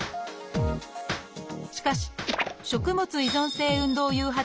しかし食物依存性運動誘発